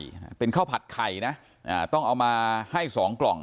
ก็เป็นข้าวผัดไข่ต้องเอามาให้๒กล่อง